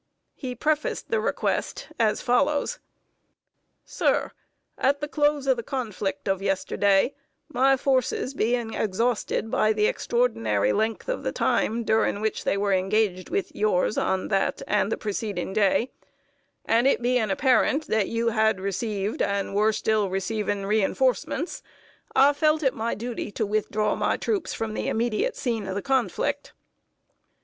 He prefaced the request as follows: "Sir, at the close of the conflict of yesterday, my forces being exhausted by the extraordinary length of the time during which they were engaged with yours on that and the preceding day, and it being apparent that you had received and were still receiving re enforcements, I felt it my duty to withdraw my troops from the immediate scene of the conflict."